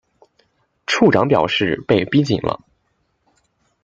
处长表示被逼紧了